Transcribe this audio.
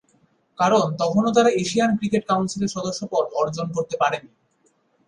কারণ তখনও তারা এশিয়ান ক্রিকেট কাউন্সিল এর সদস্যপদ অর্জন করতে পারে নি।